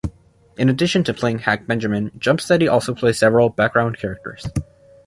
In addition to playing Hack Benjamin, Jumpsteady also plays several background characters.